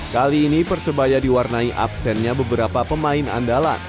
kali ini persebaya diwarnai absennya beberapa pemain andalan